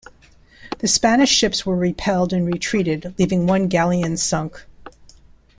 The Spanish ships were repelled and retreated leaving one galleon sunk.